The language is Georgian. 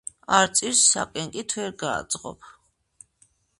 არწივს საკენკით ვერ გააძღობ